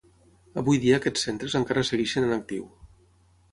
Avui dia aquests centres encara segueixen en actiu.